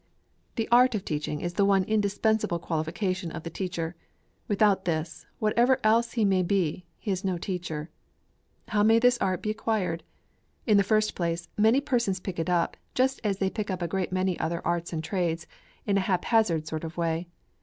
The art of teaching is the one indispensable qualification of the teacher. Without this, whatever else he may be, he is no teacher. How may this art be acquired? In the first place, many persons pick it up, just as they pick up a great many other arts and trades, in a hap hazard sort of way.